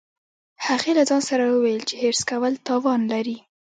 هغې له ځان سره وویل چې حرص کول تاوان لري